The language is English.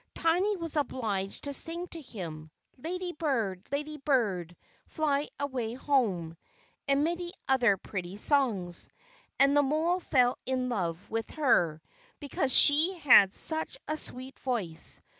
Tiny was obliged to sing to him: "Lady bird, lady bird, fly away home," and many other pretty songs. And the mole fell in love with her because she had such a sweet voice.